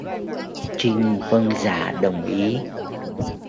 Trinh vâng dạ đồng ý